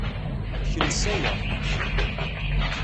Kles aya.